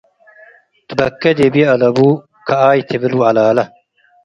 ትበኬ ዲብዬ አለቡ ከኣይ ትብል ወአላለ